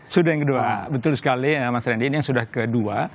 sudah yang kedua betul sekali mas randy ini yang sudah kedua